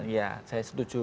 ya saya setuju